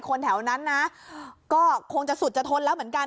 คนแถวนั้นนะก็คงจะสุดจะทนแล้วเหมือนกัน